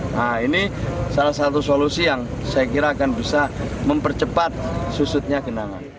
nah ini salah satu solusi yang saya kira akan bisa mempercepat susutnya genangan